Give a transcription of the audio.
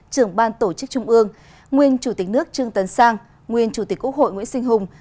trưởng ban tổ chức trung ương nguyên chủ tịch nước trương tấn sang nguyên chủ tịch quốc hội nguyễn sinh hùng